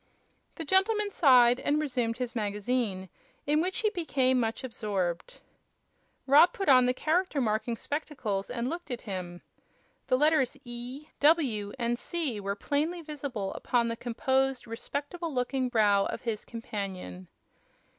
The gentleman sighed and resumed his magazine, in which he became much absorbed. Rob put on the Character Marking Spectacles and looked at him. The letters "E," "W" and "C" were plainly visible upon the composed, respectable looking brow of his companion.